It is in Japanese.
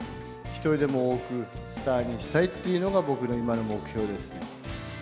一人でも多くスターにしたいっていうのが、僕の今の目標ですね。